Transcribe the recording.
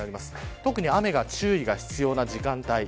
特に雨に注意が必要な時間帯。